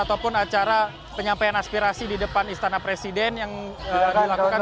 ataupun acara penyampaian aspirasi di depan istana presiden yang dilakukan